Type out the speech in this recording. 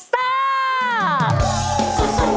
สู้สู้ซ่าซ่ายกกำลังซ่าเอามาสู้สู้